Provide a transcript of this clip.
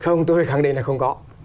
không tôi khẳng định là không có